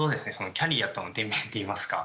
キャリアとのてんびんっていいますか。